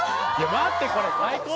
待ってこれ。